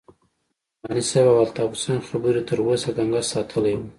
د نعماني صاحب او الطاف حسين خبرې تر اوسه گنگس ساتلى وم.